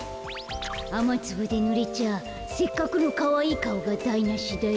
あまつぶでぬれちゃせっかくのかわいいかおがだいなしだよ。